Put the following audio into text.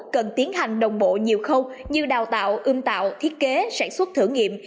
cần tiến hành đồng bộ nhiều khâu như đào tạo ưm tạo thiết kế sản xuất thử nghiệm